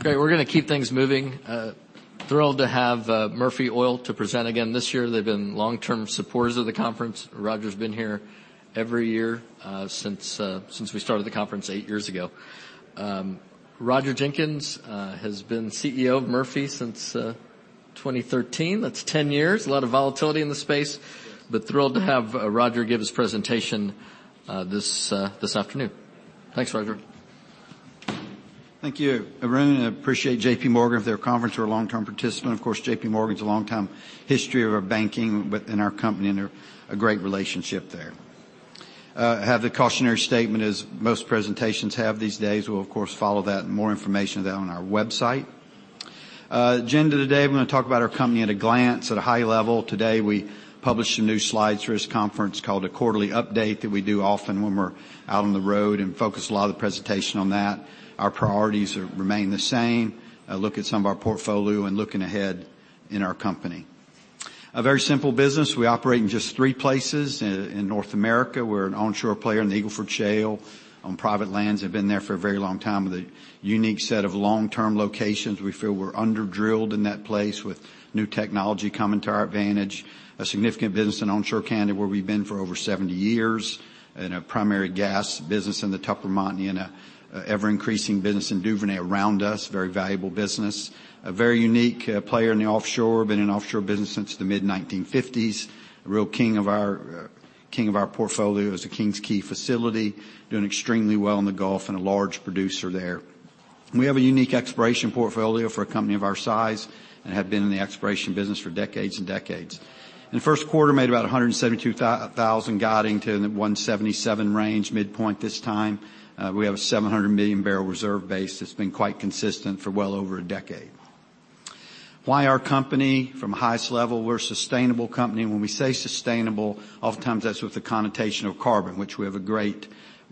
Great. We're gonna keep things moving. Thrilled to have Murphy Oil to present again this year. They've been long-term supporters of the conference. Roger's been here every year since we started the conference eight years ago. Roger Jenkins has been CEO of Murphy since 2013. That's 10 years. A lot of volatility in the space, but thrilled to have Roger give his presentation this afternoon. Thanks, Roger. Thank you, everyone. I appreciate J.P. Morgan for their conference. We're a long-term participant. Of course, J.P. Morgan's a long-time history of our banking within our company, a great relationship there. I have the cautionary statement, as most presentations have these days. We'll, of course, follow that and more information of that on our website. Agenda today, we're gonna talk about our company at a glance at a high level. Today, we published some new slides for this conference called a quarterly update, that we do often when we're out on the road, and focus a lot of the presentation on that. Our priorities remain the same. A look at some of our portfolio and looking ahead in our company. A very simple business. We operate in just three places. In North America, we're an onshore player in the Eagle Ford Shale on private lands, have been there for a very long time, with a unique set of long-term locations. We feel we're under-drilled in that place, with new technology coming to our advantage. A significant business in onshore Canada, where we've been for over 70 years, and a primary gas business in the Tupper Montney, and a ever-increasing business in Duvernay around us, very valuable business. A very unique player in the offshore. Been in offshore business since the mid-1950s. A real king of our portfolio is the King's Quay facility, doing extremely well in the Gulf and a large producer there. We have a unique exploration portfolio for a company of our size and have been in the exploration business for decades and decades. In the first quarter, made about $172,000, guiding to the $177,000 range, midpoint this time. We have a 700 million barrel reserve base that's been quite consistent for well over a decade. Why our company? From the highest level, we're a sustainable company, and when we say sustainable, oftentimes that's with the connotation of carbon, which we have a great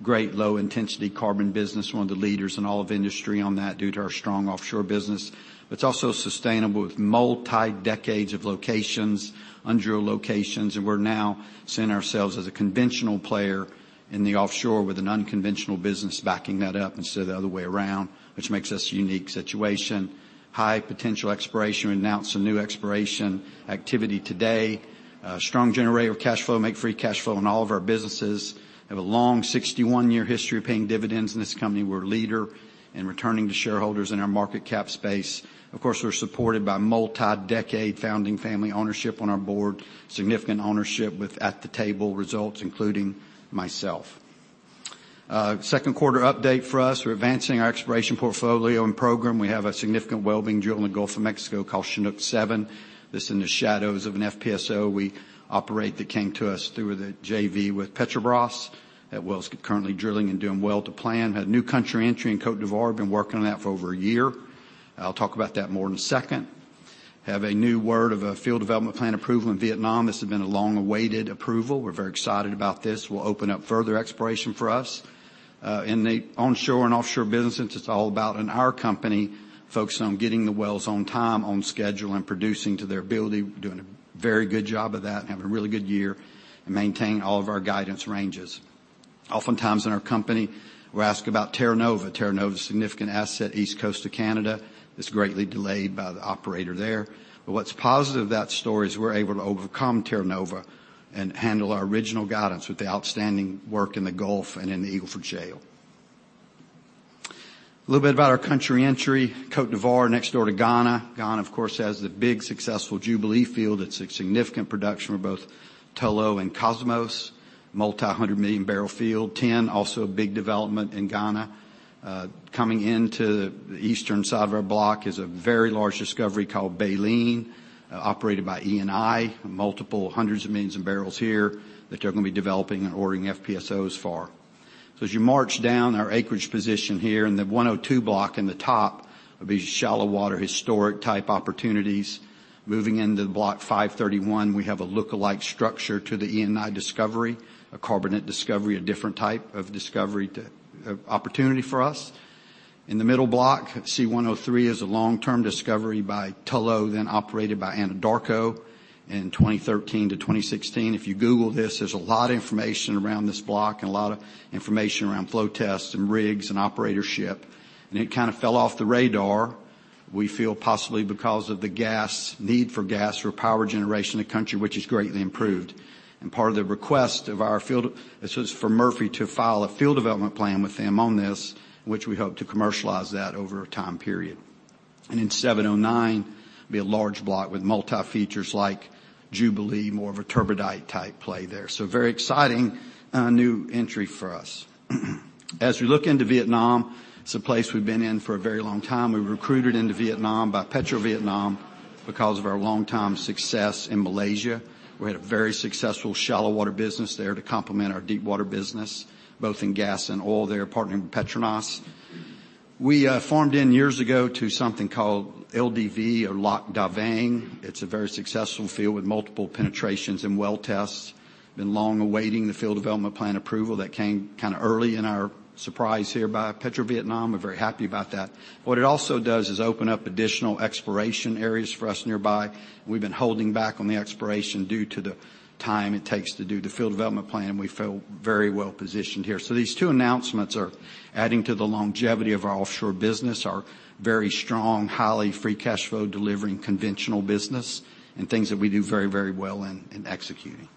low-intensity carbon business, one of the leaders in all of industry on that due to our strong offshore business. It's also sustainable with multi-decades of locations, undrilled locations, and we're now seeing ourselves as a conventional player in the offshore with an unconventional business backing that up instead of the other way around, which makes us a unique situation. High potential exploration. We announced a new exploration activity today. Strong generator of cash flow, make free cash flow in all of our businesses. Have a long 61-year history of paying dividends in this company. We're a leader in returning to shareholders in our market cap space. Of course, we're supported by multi-decade founding family ownership on our board, significant ownership with at-the-table results, including myself. Second quarter update for us. We're advancing our exploration portfolio and program. We have a significant well being drilled in the Gulf of Mexico called Chinook #7. This is in the shadows of an FPSO we operate, that came to us through the JV with Petrobras. That well's currently drilling and doing well to plan. Had a new country entry in Côte d'Ivoire, been working on that for over one year. I'll talk about that more in a second. Have a new word of a field development plan approval in Vietnam. This has been a long-awaited approval. We're very excited about this. Will open up further exploration for us. In the onshore and offshore business, since it's all about in our company, focusing on getting the wells on time, on schedule, and producing to their ability. We're doing a very good job of that and having a really good year and maintaining all of our guidance ranges. Oftentimes in our company, we're asked about Terra Nova. Terra Nova, significant asset, East Coast of Canada. It's greatly delayed by the operator there. What's positive about that story is we're able to overcome Terra Nova and handle our original guidance with the outstanding work in the Gulf and in the Eagle Ford Shale. A little bit about our country entry. Côte d'Ivoire, next door to Ghana. Ghana, of course, has the big, successful Jubilee field. It's a significant production for both Tullow and Kosmos, multi-hundred million barrel field. TEN, also a big development in Ghana. Coming into the eastern side of our block is a very large discovery called Baleine, operated by Eni. Multiple hundreds of millions of barrels here that they're gonna be developing and ordering FPSOs for. As you march down our acreage position here in the Block 102 in the top of these shallow water, historic-type opportunities. Moving into the Block CI-531, we have a lookalike structure to the Eni discovery, a carbonate discovery, a different type of discovery to opportunity for us. In the middle block, CI-103 is a long-term discovery by Tullow, operated by Anadarko in 2013-2016. If you Google this, there's a lot of information around this block and a lot of information around flow tests and rigs and operatorship, and it kind of fell off the radar. We feel possibly because of the gas, need for gas for power generation in the country, which has greatly improved. Part of the request of our this was for Murphy to file a field development plan with them on this, which we hope to commercialize that over a time period. In 709, be a large block with multi features like Jubilee, more of a turbidite-type play there. Very exciting new entry for us. As we look into Vietnam, it's a place we've been in for a very long time. We were recruited into Vietnam by PetroVietnam because of our long-time success in Malaysia. We had a very successful shallow water business there to complement our deep water business, both in gas and oil there, partnering with PETRONAS. We farmed in years ago to something called LDV or Lac Da Vang. It's a very successful field with multiple penetrations and well tests. Been long awaiting the field development plan approval that came kind of early in our surprise here by Petrovietnam. We're very happy about that. What it also does is open up additional exploration areas for us nearby. We've been holding back on the exploration due to the time it takes to do the field development plan, and we feel very well positioned here. These two announcements are adding to the longevity of our offshore business, our very strong, highly free cash flow delivering conventional business, and things that we do very, very well in executing.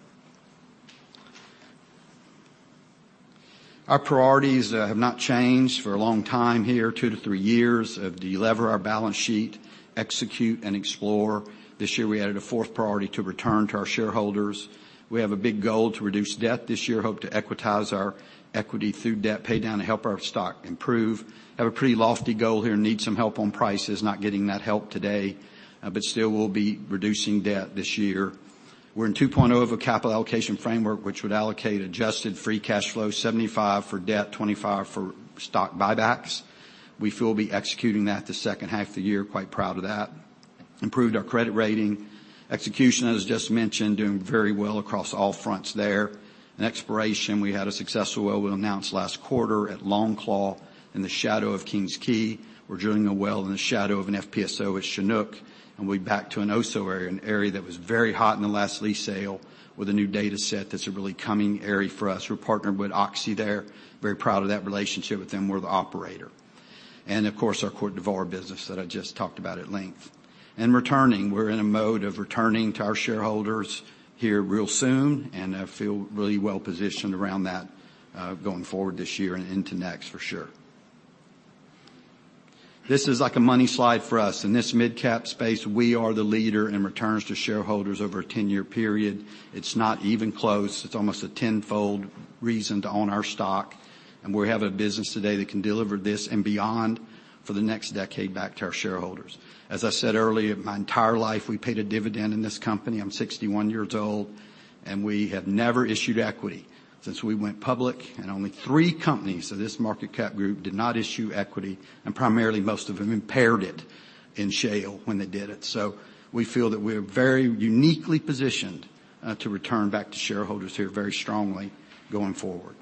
Our priorities have not changed for a long time here, two to three years, of de-lever our balance sheet, execute, and explore. This year, we added a fourth priority to return to our shareholders. We have a big goal to reduce debt this year, hope to equitize our equity through debt paydown to help our stock improve. Have a pretty lofty goal here. Need some help on prices. Not getting that help today, but still, we'll be reducing debt this year. We're in 2.0 of a capital allocation framework, which would allocate adjusted free cash flow, 75% for debt, 25% for stock buybacks. We feel we'll be executing that the second half of the year. Quite proud of that. Improved our credit rating. Execution, as just mentioned, doing very well across all fronts there. In exploration, we had a successful well we announced last quarter at Longclaw, in the shadow of King's Quay. We're drilling a well in the shadow of an FPSO at Chinook, we're back to an OSO area, an area that was very hot in the last lease sale with a new data set. That's a really coming area for us. We're partnered with Oxy there. Very proud of that relationship with them. We're the operator. Of course, our Côte d'Ivoire business that I just talked about at length. Returning, we're in a mode of returning to our shareholders here real soon, and I feel really well positioned around that going forward this year and into next, for sure. This is like a money slide for us. In this midcap space, we are the leader in returns to shareholders over a 10-year period. It's not even close. It's almost a tenfold reason to own our stock, and we have a business today that can deliver this and beyond for the next decade back to our shareholders. As I said earlier, my entire life, we paid a dividend in this company. I'm 61 years old, and we have never issued equity since we went public, and only three companies in this market cap group did not issue equity, and primarily, most of them impaired it in shale when they did it. We feel that we're very uniquely positioned to return back to shareholders here very strongly going forward.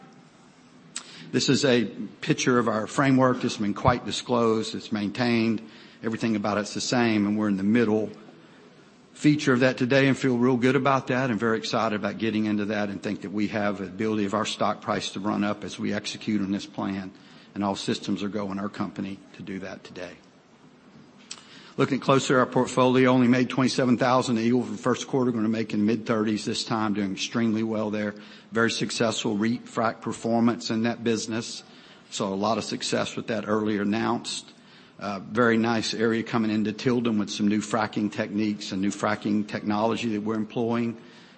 This is a picture of our framework that's been quite disclosed. It's maintained. Everything about it's the same, and we're in the middle feature of that today and feel real good about that and very excited about getting into that and think that we have the ability of our stock price to run up as we execute on this plan, and all systems are go in our company to do that today. Looking closer, our portfolio only made 27,000 Eagle Ford the first quarter. We're gonna make in mid-30s this time, doing extremely well there. Very successful refrack performance in that business, so a lot of success with that earlier announced. Very nice area coming into Tilden with some new fracking techniques and new fracking technology that we're employing.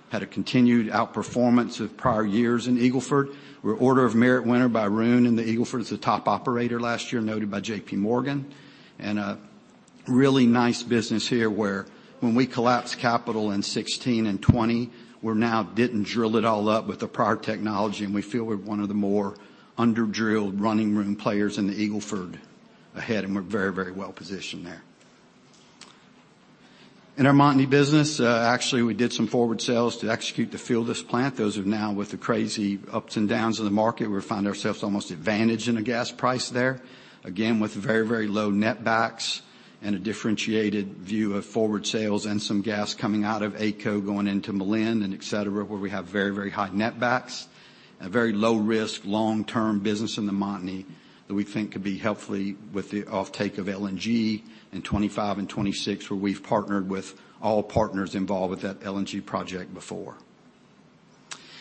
Had a continued outperformance of prior years in Eagle Ford. We're Order of Merit winner by Arun, and the Eagle Ford is the top operator last year, noted by J.P. Morgan. A really nice business here, where when we collapsed capital in 2016 and 2020, we're now didn't drill it all up with the prior technology, and we feel we're one of the more under-drilled running room players in the Eagle Ford ahead, and we're very, very well positioned there. In our Montney business, actually, we did some forward sales to execute to fill this plant. Those are now with the crazy ups and downs of the market, we find ourselves almost advantaged in the gas price there. With very, very low netbacks and a differentiated view of forward sales and some gas coming out of ACO, going into Malin, and etc, where we have very, very high netbacks. A very low risk, long-term business in the Montney that we think could be helpful with the offtake of LNG in 25 and 26, where we've partnered with all partners involved with that LNG project before.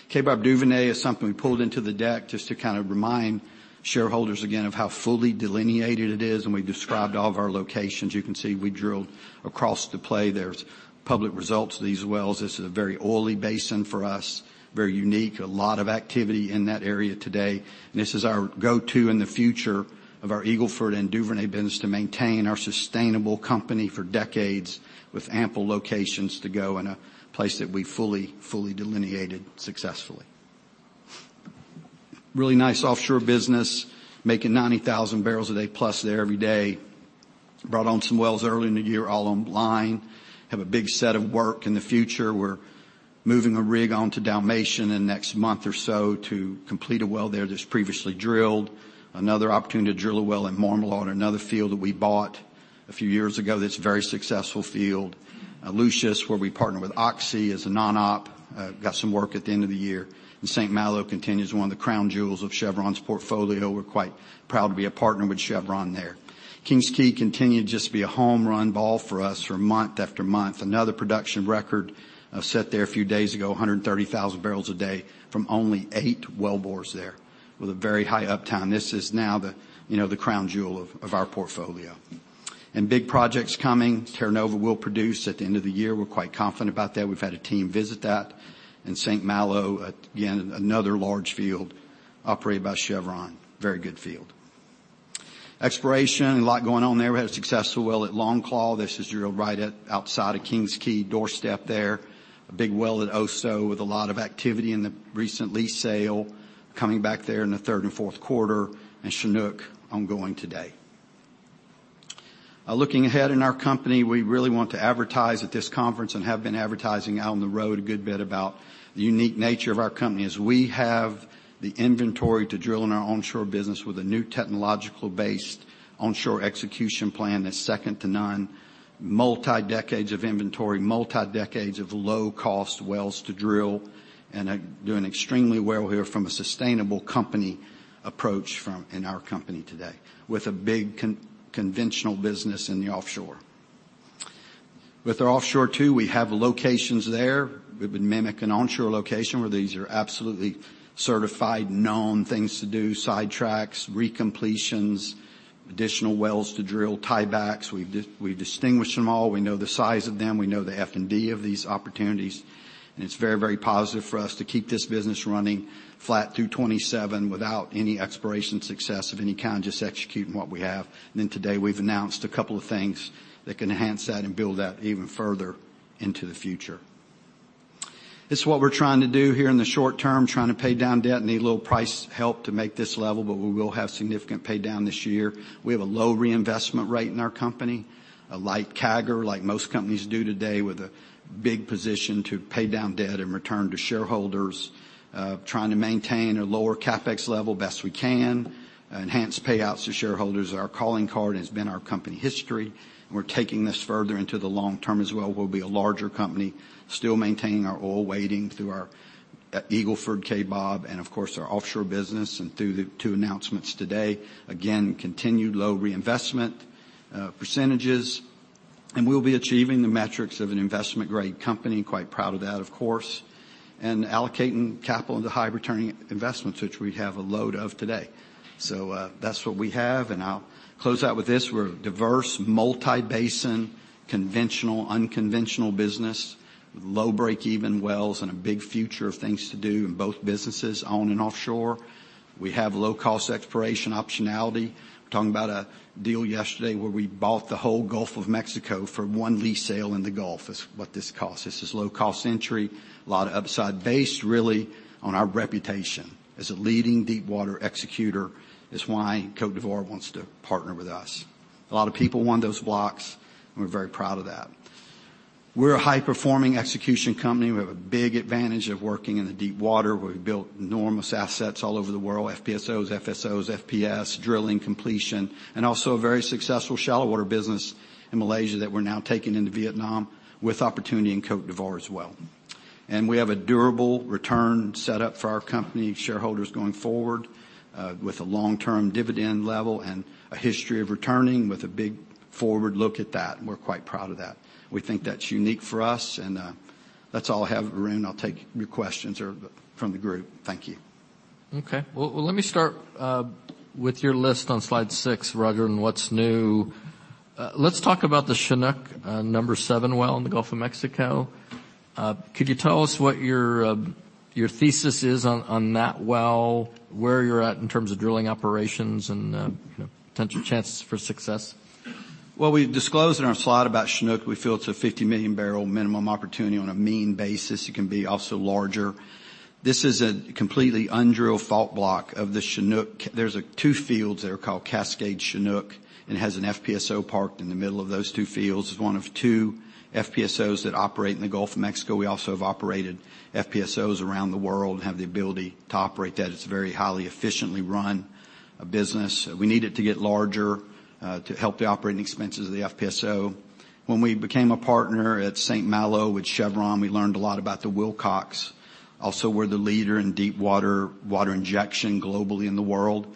Kaybob Duvernay is something we pulled into the deck just to kind of remind shareholders again of how fully delineated it is. We've described all of our locations. You can see we drilled across the play. There's public results of these wells. This is a very oily basin for us, very unique. A lot of activity in that area today. This is our go-to in the future of our Eagle Ford and Duvernay business to maintain our sustainable company for decades, with ample locations to go in a place that we fully delineated successfully. Really nice offshore business, making 90,000 barrels a day plus there every day. Brought on some wells early in the year, all online. Have a big set of work in the future. We're moving a rig on to Dalmatian in the next month or so to complete a well there that's previously drilled. Another opportunity to drill a well in Mormont, another field that we bought a few years ago that's a very successful field. Lucius, where we partner with Oxy, is a non-op. Got some work at the end of the year. Saint-Malo continues, one of the crown jewels of Chevron's portfolio. We're quite proud to be a partner with Chevron there. King's Quay continued to just be a home run ball for us for month after month. Another production record set there a few days ago, 130,000 barrels a day from only eight wellbores there, with a very high uptime. This is now the, you know, the crown jewel of our portfolio. Big projects coming. Terra Nova will produce at the end of the year. We're quite confident about that. We've had a team visit that. Saint-Malo, again, another large field operated by Chevron. Very good field. Exploration, a lot going on there. We had a successful well at Longclaw. This is drilled right at outside of King's Quay doorstep there. A big well at OSO with a lot of activity in the recent lease sale, coming back there in the third and fourth quarter, and Chinook, ongoing today. Looking ahead in our company, we really want to advertise at this conference, have been advertising out on the road a good bit about the unique nature of our company, as we have the inventory to drill in our onshore business with a new technological-based onshore execution plan that's second to none. Multi-decades of inventory, multi-decades of low-cost wells to drill, doing extremely well here from a sustainable company approach in our company today, with a big conventional business in the offshore. With our offshore, too, we have locations there. We've been mimicking onshore location, where these are absolutely certified, known things to do, sidetracks, recompletions, additional wells to drill, tiebacks. We've distinguished them all. We know the size of them. We know the F&D of these opportunities. It's very, very positive for us to keep this business running flat through 2027 without any exploration success of any kind, just executing what we have. Today, we've announced a couple of things that can enhance that and build that even further into the future. This is what we're trying to do here in the short term, trying to pay down debt. Need a little price help to make this level. We will have significant paydown this year. We have a low reinvestment rate in our company, a light CAGR, like most companies do today, with a big position to pay down debt and return to shareholders. Trying to maintain a lower CapEx level best we can. Enhance payouts to shareholders is our calling card, and it's been our company history, and we're taking this further into the long term as well. We'll be a larger company, still maintaining our oil weighting through our Eagle Ford Kaybob, and of course, our offshore business, and through the two announcements today. Again, continued low reinvestment percentages, and we'll be achieving the metrics of an investment-grade company. Quite proud of that, of course. Allocating capital into high-returning investments, which we have a load of today. That's what we have, and I'll close out with this. We're a diverse, multi-basin, conventional, unconventional business, low break-even wells, and a big future of things to do in both businesses, on and offshore. We have low-cost exploration optionality. We're talking about a deal yesterday where we bought the whole Gulf of Mexico for 1 lease sale in the Gulf, is what this cost. This is low-cost entry, a lot of upside, based really on our reputation as a leading deepwater executor, is why Côte d'Ivoire wants to partner with us. A lot of people want those blocks. We're very proud of that. We're a high-performing execution company. We have a big advantage of working in the deepwater, where we've built enormous assets all over the world, FPSOs, FSOs, FPS, drilling completion, and also a very successful shallow water business in Malaysia that we're now taking into Vietnam, with opportunity in Côte d'Ivoire as well. We have a durable return set up for our company shareholders going forward, with a long-term dividend level and a history of returning with a big forward look at that. We're quite proud of that. We think that's unique for us. That's all I have, Arun. I'll take your questions from the group. Thank you. Okay. Well, let me start with your list on slide six, Roger, and what's new. Let's talk about the Chinook number 7 well in the Gulf of Mexico. Could you tell us what your thesis is on that well, where you're at in terms of drilling operations, and, you know, potential chances for success? Well, we've disclosed in our slide about Chinook, we feel it's a 50 million barrel minimum opportunity on a mean basis. It can be also larger. This is a completely undrilled fault block of the Chinook. There's two fields that are called Cascade Chinook, and it has an FPSO parked in the middle of those two fields. It's one of two FPSOs that operate in the Gulf of Mexico. We also have operated FPSOs around the world and have the ability to operate that. It's a very highly efficiently run business. We need it to get larger to help the operating expenses of the FPSO. When we became a partner at Saint-Malo with Chevron, we learned a lot about the Wilcox. We're the leader in deepwater water injection globally in the world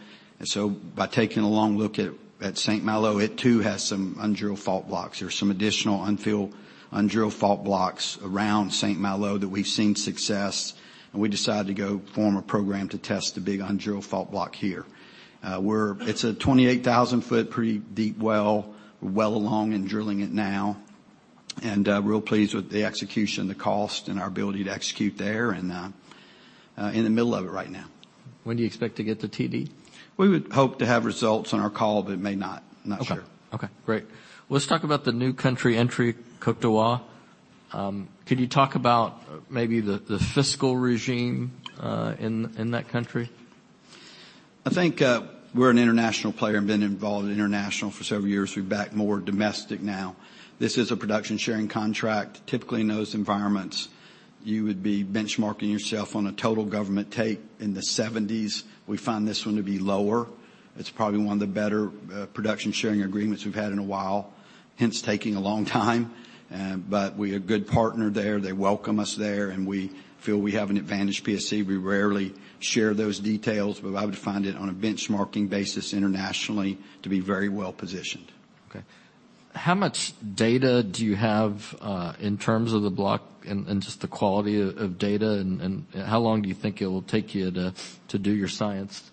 by taking a long look at Saint-Malo, it too, has some undrilled fault blocks. There are some additional unfilled, undrilled fault blocks around St. Malo that we've seen success. We decided to go form a program to test the big undrilled fault block here. It's a 28,000 foot, pretty deep well, well along in drilling it now, and real pleased with the execution, the cost, and our ability to execute there, and in the middle of it right now. When do you expect to get the TD? We would hope to have results on our call, but may not. Not sure. Okay. Okay, great. Let's talk about the new country entry, Côte d'Ivoire. Could you talk about maybe the fiscal regime in that country? I think, we're an international player and been involved in international for several years. We're back more domestic now. This is a production-sharing contract. Typically, in those environments, you would be benchmarking yourself on a total government take in the 1970s. We find this one to be lower. It's probably one of the better production-sharing agreements we've had in a while, hence taking a long time. We have a good partner there. They welcome us there, and we feel we have an advantage PSC. We rarely share those details, but I would find it on a benchmarking basis internationally to be very well-positioned. Okay. How much data do you have, in terms of the block and just the quality of data, and how long do you think it will take you to do your science?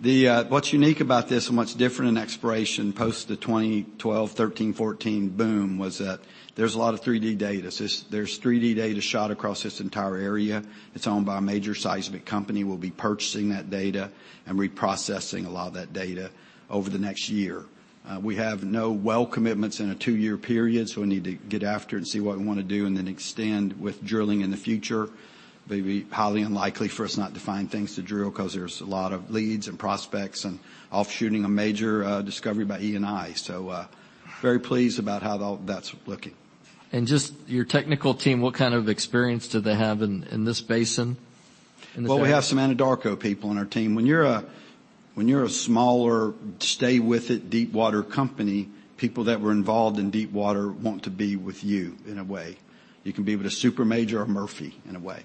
What's unique about this and what's different in exploration, post the 2012, 2013, 2014 boom, was that there's a lot of 3D data. There's 3D data shot across this entire area. It's owned by a major seismic company. We'll be purchasing that data and reprocessing a lot of that data over the next year. We have no well commitments in a two-year period, so we need to get after it and see what we want to do and then extend with drilling in the future. It'd be highly unlikely for us not to find things to drill, because there's a lot of leads and prospects and offshooting a major discovery by Eni. Very pleased about how all that's looking. Just your technical team, what kind of experience do they have in this basin? Well, we have some Anadarko people on our team. When you're a smaller, stay with it, deep water company, people that were involved in deep water want to be with you, in a way. You can be with a super major or Murphy, in a way.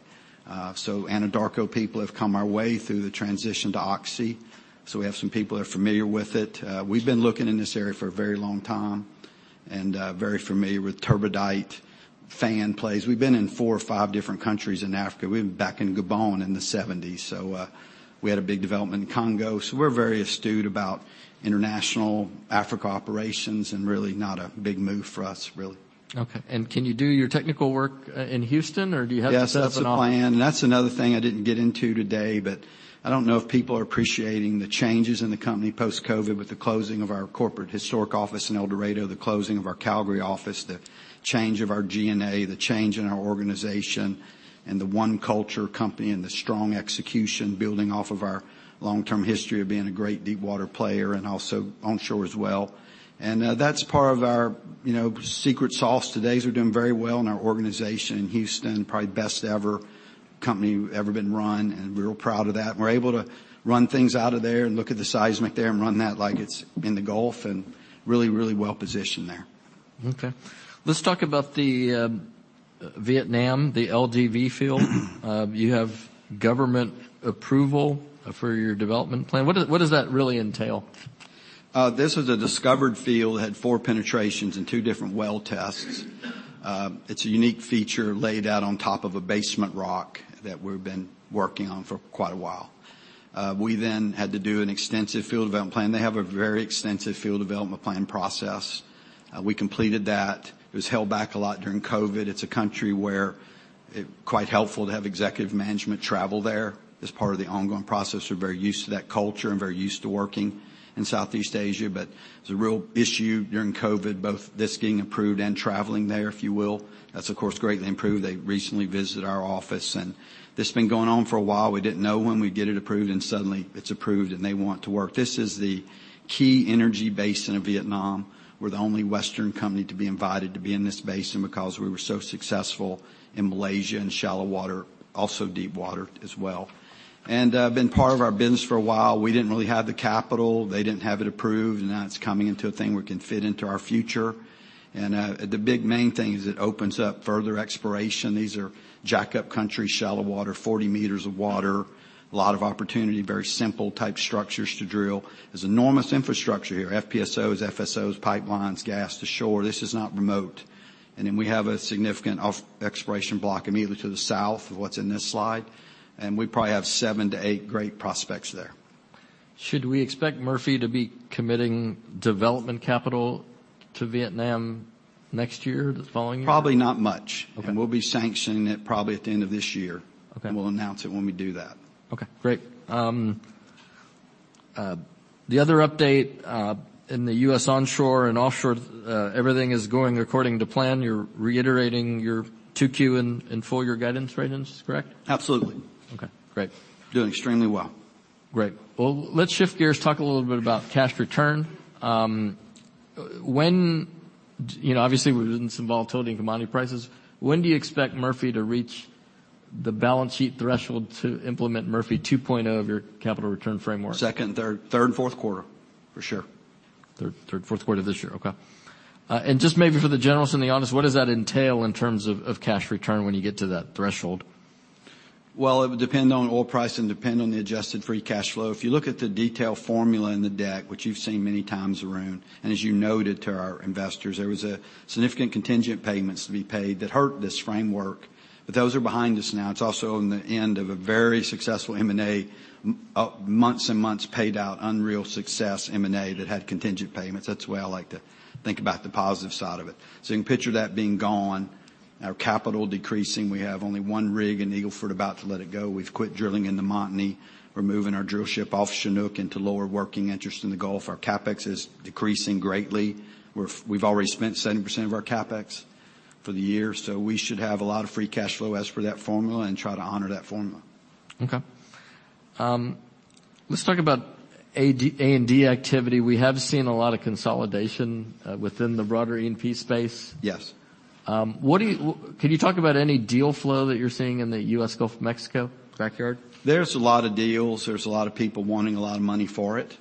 Anadarko people have come our way through the transition to Oxy, so we have some people that are familiar with it. We've been looking in this area for a very long time, and very familiar with turbidite fan plays. We've been in four or five different countries in Africa. We've been back in Gabon in the '70s, so we had a big development in Congo. We're very astute about international Africa operations, and really not a big move for us, really. Okay. Can you do your technical work, in Houston, or do you have to set up an office? Yes, that's the plan. That's another thing I didn't get into today. I don't know if people are appreciating the changes in the company post-COVID, with the closing of our corporate historic office in El Dorado, the closing of our Calgary office, the change of our G&A, the change in our organization, the one culture company, and the strong execution building off of our long-term history of being a great deep water player and also onshore as well. That's part of our, you know, secret sauce. Today, we're doing very well in our organization in Houston, probably best ever company ever been run. We're real proud of that. We're able to run things out of there and look at the seismic there and run that like it's in the Gulf, really well positioned there. Okay. Let's talk about the Vietnam, the LDV field. You have government approval for your development plan. What does that really entail? This was a discovered field. It had four penetrations and two different well tests. It's a unique feature laid out on top of a basement rock that we've been working on for quite a while. We then had to do an extensive field development plan. They have a very extensive field development plan process. We completed that. It was held back a lot during COVID. It's a country where it quite helpful to have executive management travel there as part of the ongoing process. We're very used to that culture and very used to working in Southeast Asia, but there's a real issue during COVID, both this getting approved and traveling there, if you will. That's, of course, greatly improved. They recently visited our office, and this has been going on for a while. We didn't know when we'd get it approved, and suddenly it's approved, and they want to work. This is the key energy basin of Vietnam. We're the only Western company to be invited to be in this basin because we were so successful in Malaysia, in shallow water, also deep water as well. Been part of our business for a while. We didn't really have the capital. They didn't have it approved, and now it's coming into a thing where it can fit into our future. The big main thing is it opens up further exploration. These are jackup country, shallow water, 40 meters of water, a lot of opportunity, very simple type structures to drill. There's enormous infrastructure here, FPSOs, FSOs, pipelines, gas to shore. This is not remote. We have a significant off exploration block immediately to the south of what's in this slide, and we probably have seven to eight great prospects there. Should we expect Murphy to be committing development capital to Vietnam next year, the following year? Probably not much. Okay. We'll be sanctioning it probably at the end of this year. Okay. We'll announce it when we do that. Okay, great. The other update, in the U.S. onshore and offshore, everything is going according to plan. You're reiterating your 2Q and full year guidance right in, is correct? Absolutely. Okay, great. Doing extremely well. Great. Well, let's shift gears, talk a little bit about cash return. You know, obviously, we've been some volatility in commodity prices. When do you expect Murphy to reach the balance sheet threshold to implement Murphy 2.0, of your capital return framework? Second, third, fourth quarter, for sure. Third, fourth quarter of this year. Okay. Just maybe for the generalists in the audience, what does that entail in terms of cash return when you get to that threshold? It would depend on oil price and depend on the adjusted free cash flow. If you look at the detailed formula in the deck, which you've seen many times around. As you noted to our investors, there was a significant contingent payments to be paid that hurt this framework. Those are behind us now. It's also on the end of a very successful M&A, months and months, paid out, unreal success M&A that had contingent payments. That's the way I like to think about the positive side of it. You can picture that being gone, our capital decreasing. We have only one rig in Eagle Ford, about to let it go. We've quit drilling in the Montney. We're moving our drillship off Chinook into lower working interest in the Gulf. Our CapEx is decreasing greatly. We've already spent 70% of our CapEx for the year, so we should have a lot of free cash flow as per that formula, and try to honor that formula. Let's talk about A&D activity. We have seen a lot of consolidation, within the broader E&P space. Yes. Can you talk about any deal flow that you're seeing in the U.S. Gulf of Mexico backyard? There's a lot of deals. There's a lot of people wanting a lot of money for it.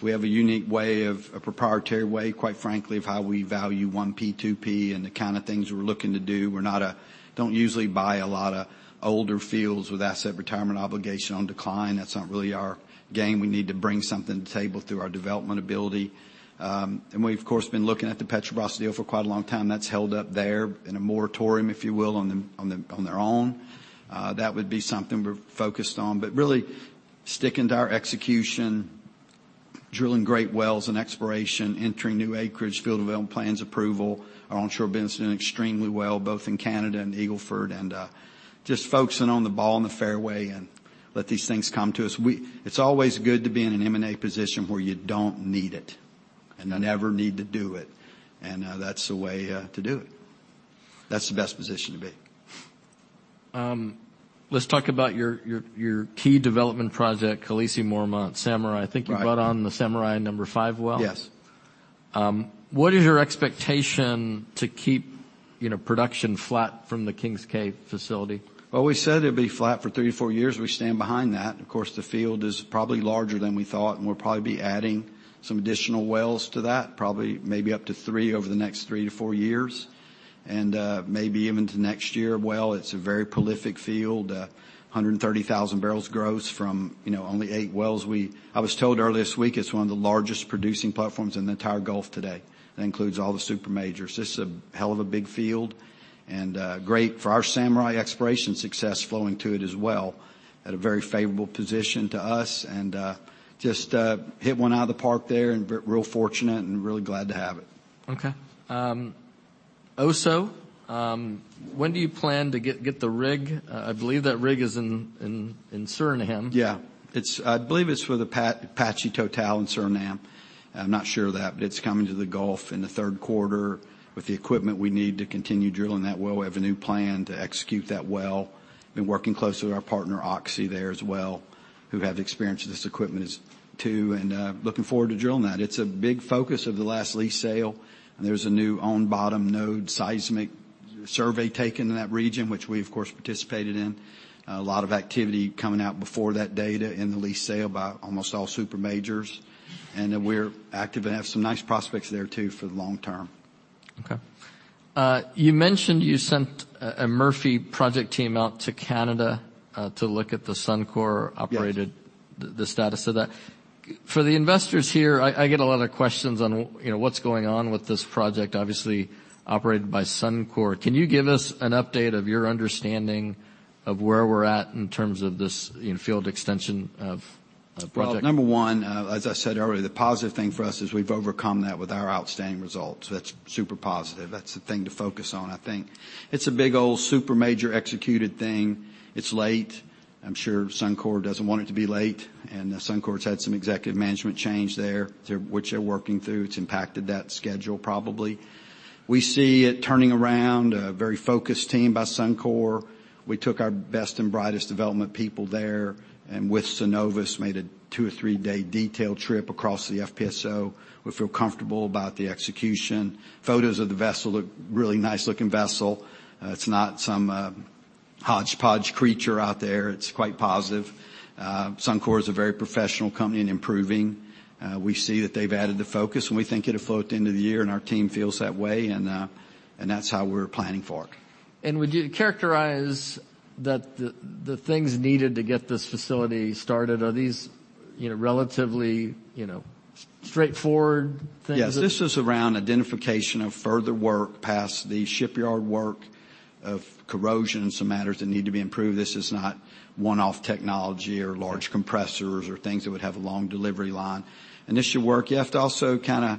We have a unique way, a proprietary way, quite frankly, of how we value 1P, 2P, and the kind of things we're looking to do. We're not, don't usually buy a lot of older fields with asset retirement obligation on decline. That's not really our game. We need to bring something to the table through our development ability. We've, of course, been looking at the Petrobras deal for quite a long time. That's held up there in a moratorium, if you will, on their, on their, on their own. That would be something we're focused on, but really sticking to our execution, drilling great wells and exploration, entering new acreage, field development plans approval. Our onshore business doing extremely well, both in Canada and Eagle Ford, and just focusing on the ball in the fairway and let these things come to us. It's always good to be in an M&A position where you don't need it and never need to do it, and that's the way to do it. That's the best position to be. Let's talk about your key development project, Khaleesi, Mormont, Samurai. Right. I think you brought on the Samurai number 5 well? Yes. What is your expectation to keep, you know, production flat from the King's Quay facility? Well, we said it'd be flat for thre to four years. We stand behind that. Of course, the field is probably larger than we thought, and we'll probably be adding some additional wells to that, probably maybe up to three over the next three to four years, and maybe even to next year. Well, it's a very prolific field, 130,000 barrels gross from, you know, only eight wells. I was told earlier this week, it's one of the largest producing platforms in the entire Gulf today. That includes all the super majors. This is a hell of a big field, and great for our Samurai exploration success flowing to it as well, at a very favorable position to us, and just hit one out of the park there, and real fortunate and really glad to have it. Okay. OSO, when do you plan to get the rig? I believe that rig is in Suriname. Yeah. It's I believe it's for the Apache TotalEnergies in Suriname. I'm not sure of that, but it's coming to the Gulf in the third quarter with the equipment we need to continue drilling that well. We have a new plan to execute that well. Been working closely with our partner, Oxy, there as well, who have experience with this equipment is too, and looking forward to drilling that. It's a big focus of the last lease sale, and there's a new ocean bottom node seismic survey taken in that region, which we, of course, participated in. A lot of activity coming out before that date and in the lease sale by almost all super majors, and then we're active and have some nice prospects there, too, for the long term. Okay. You mentioned you sent a Murphy project team out to Canada, to look at the Suncor-operated- Yes The status of that. For the investors here, I get a lot of questions on, you know, what's going on with this project, obviously operated by Suncor. Can you give us an update of your understanding of where we're at in terms of this in-field extension of project? Well, number one, as I said earlier, the positive thing for us is we've overcome that with our outstanding results. That's super positive. That's the thing to focus on, I think. It's a big, old, super major executed thing. It's late. I'm sure Suncor doesn't want it to be late, and Suncor's had some executive management change there, which they're working through. It's impacted that schedule, probably. We see it turning around, a very focused team by Suncor. We took our best and brightest development people there, and with Cenovus, made a two or thre-day detailed trip across the FPSO. We feel comfortable about the execution. Photos of the vessel look really nice-looking vessel. It's not some, hodgepodge creature out there. It's quite positive. Suncor is a very professional company and improving. We see that they've added the focus, and we think it'll flow at the end of the year, and our team feels that way, and that's how we're planning for it. Would you characterize that the things needed to get this facility started, are these, you know, relatively straightforward things? Yes. This is around identification of further work past the shipyard work of corrosion and some matters that need to be improved. This is not one-off technology or large compressors or things that would have a long delivery line. Initial work, you have to also kinda,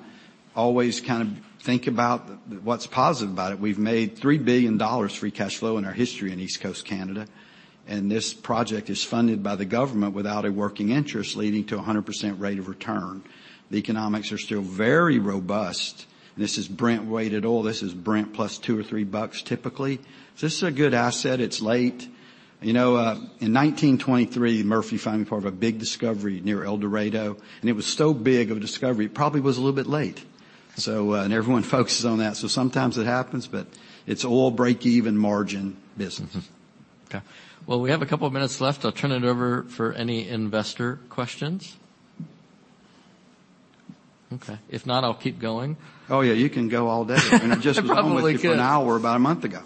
always kind of think about what's positive about it. We've made $3 billion free cash flow in our history in East Coast Canada. This project is funded by the government without a working interest, leading to a 100% rate of return. The economics are still very robust. This is Brent-weighted oil. This is Brent plus $2 or $3, typically. This is a good asset. It's late. You know, in 1923, Murphy found part of a big discovery near El Dorado. It was so big of a discovery, it probably was a little bit late. Everyone focuses on that, so sometimes it happens, but it's all break-even margin business. Okay. Well, we have a couple of minutes left. I'll turn it over for any investor questions. Okay. If not, I'll keep going. Oh, yeah, you can go all day. I probably could. It just went with you for an hour about a month ago.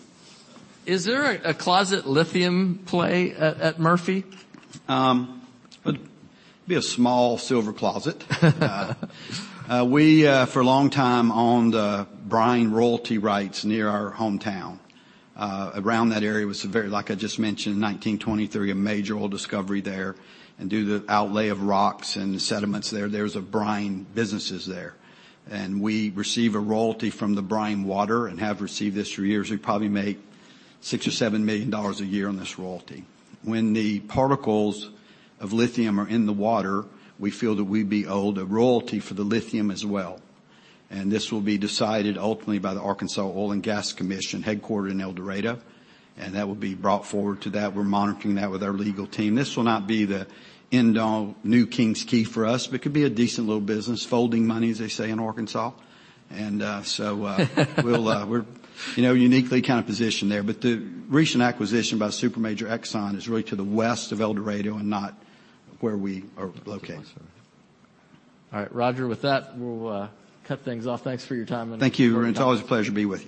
Is there a closet lithium play at Murphy? It'd be a small silver closet. We for a long time, owned the brine royalty rights near our hometown. Around that area, Like I just mentioned, in 1923, a major oil discovery there, and due to the outlay of rocks and the sediments there's a brine businesses there. We receive a royalty from the brine water and have received this for years. We probably make $6 million or $7 million a year on this royalty. When the particles of lithium are in the water, we feel that we'd be owed a royalty for the lithium as well, and this will be decided ultimately by the Arkansas Oil and Gas Commission, headquartered in El Dorado, and that will be brought forward to that. We're monitoring that with our legal team. This will not be the end-all new King's Quay for us, but it could be a decent little business. Folding money, as they say in Arkansas, and so we'll, we're, you know, uniquely kind of positioned there. The recent acquisition by the super major ExxonMobil is really to the west of El Dorado and not where we are located. All right, Roger, with that, we'll cut things off. Thanks for your time. Thank you. It's always a pleasure to be with you.